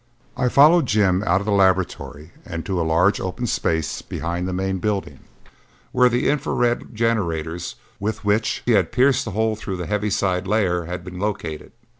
I followed Jim out of the laboratory and to a large open space behind the main building where the infra red generators with which he had pierced the hole through the heaviside layer had been located.